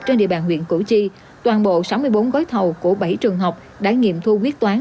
trên địa bàn huyện củ chi toàn bộ sáu mươi bốn gói thầu của bảy trường học đã nghiệm thu quyết toán